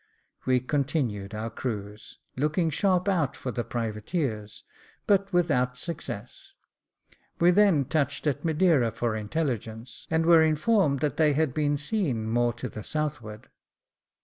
We continued our cruise, looking sharp out for the privateers, but without success ; we then touched at Madeira for intelligence, and were informed that they had been seen more to the southward.